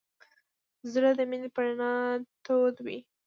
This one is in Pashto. زړه د مینې په رڼا تود وي.